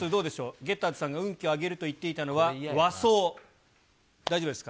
ゲッターズさんが運気を上げると言っていたのは、和装、大丈夫ですか？